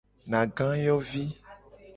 Nagayovi.